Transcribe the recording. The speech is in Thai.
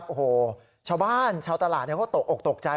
โอ้โหชาวบ้านชาวตลาดเขาตกออกตกใจ